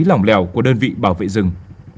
lỏng lẻo của đơn vị bảo vệ rừng